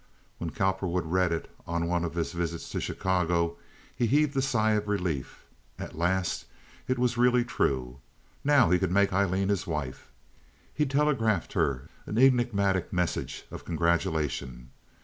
When Cowperwood read it on one of his visits to Chicago he heaved a sigh of relief. At last it was really true. Now he could make Aileen his wife. He telegraphed her an enigmatic message of congratulation.